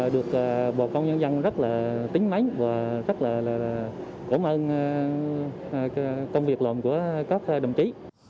được bò câu nhân dân rất là tính máy và rất là cảm ơn công việc lộn của các đồng chí